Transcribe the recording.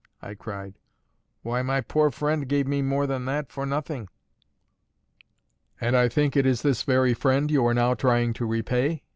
I cried. "Why, my poor friend gave me more than that for nothing!" "And I think it is this very friend you are now trying to repay?"